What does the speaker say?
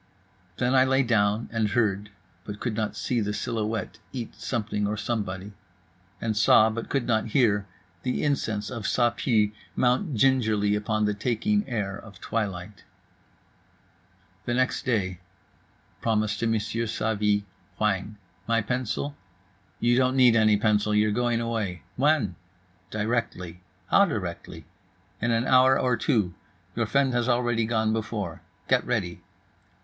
Then I lay down, and heard (but could not see the silhouette eat something or somebody) … and saw, but could not hear, the incense of Ça Pue mount gingerly upon the taking air of twilight. The next day.—Promise to M. Savy. Whang. "My pencil?"—"You don't need any pencil, you're going away."—"When?"—"Directly."—"How directly?"—"In an hour or two: your friend has already gone before. Get ready."